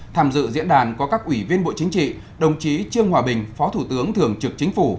tham dự diễn đàn có các ủy viên bộ chính trị đồng chí trương hòa bình phó thủ tướng thường trực chính phủ